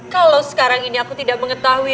kalau sekarang ini aku tidak mengetahui